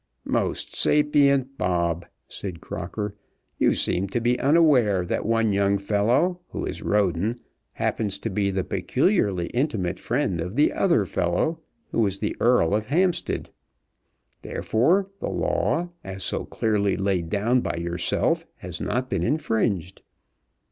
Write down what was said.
"Most sapient Bobb," said Crocker, "you seem to be unaware that one young fellow, who is Roden, happens to be the peculiarly intimate friend of the other fellow, who is the Earl of Hampstead. Therefore the law, as so clearly laid down by yourself, has not been infringed.